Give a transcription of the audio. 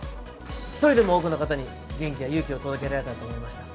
１人でも多くの方に元気や勇気を届けられたらと思いました。